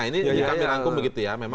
ini dikami rangkum begitu ya